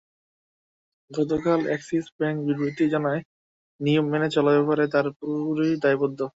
গতকাল Axis Bank বিবৃতিতে জানায়, নিয়ম মেনে চলার ব্যাপারে তারা পুরোপুরি দায়বদ্ধ।